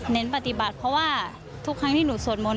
ปฏิบัติเพราะว่าทุกครั้งที่หนูสวดมนต